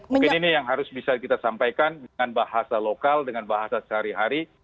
mungkin ini yang harus bisa kita sampaikan dengan bahasa lokal dengan bahasa sehari hari